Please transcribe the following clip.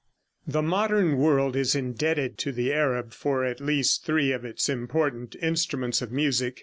] The modern world is indebted to the Arab for at least three of its most important instruments of music.